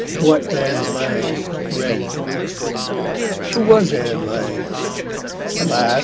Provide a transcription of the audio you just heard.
WHAT ANN LANG READ Who was Ann Lang? Alas!